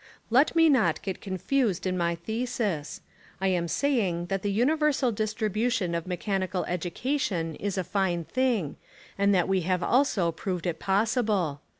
Let me not get confused in my thesis. I am saying that the universal distribution of me chanical education is a fine thing, and that we have also proved it possible.